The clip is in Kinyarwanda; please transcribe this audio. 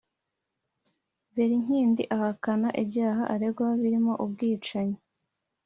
Berinkindi ahakana ibyaha aregwa birimo ubwicanyi